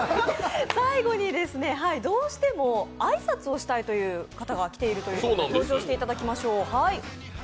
最後に、どうしても挨拶をしたいという方が来ていますので登場してもらいましょう。